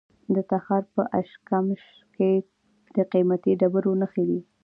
د تخار په اشکمش کې د قیمتي ډبرو نښې دي.